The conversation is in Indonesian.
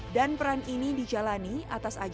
dan peran ini dijalani atas ajakannya